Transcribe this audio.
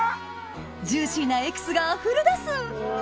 ジューシーなエキスがあふれ出すうわ